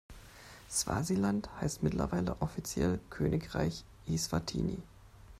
Swasiland heißt mittlerweile offiziell Königreich Eswatini.